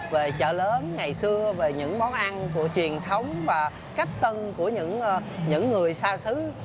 về chợ lớn ngày xưa về những món ăn của truyền thống và cách tân của những người xa xứ